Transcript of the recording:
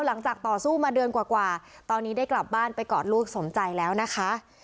ต่อสู้มาเดือนกว่าตอนนี้ได้กลับบ้านไปกอดลูกสมใจแล้วนะคะ